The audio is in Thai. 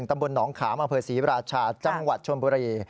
ตำบลหนองขามอำเภอศรีราชาจังหวัดชนบุรี